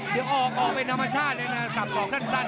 แต่ออกออกเป็นธรรมชาติเลยนะสับส่อขั้นซั่น